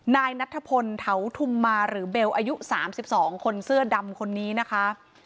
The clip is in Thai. นายนัทพลเถาธุมมาหรือเบลอายุ๓๒คนเสื้อดำคนนี้นะคะ